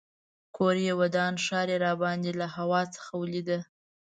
کور یې ودان ښار یې راباندې له هوا څخه ولیده.